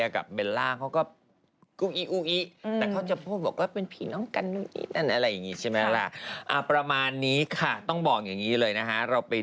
อย่างพี่แบบกี้บอกไว้ในข่าวที่แล้วพี่เวียใช่ไหม